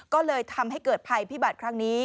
ก็เลยทำให้เกิดภัยพิบัติครั้งนี้